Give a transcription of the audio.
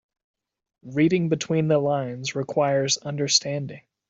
Reading between the lines requires understanding.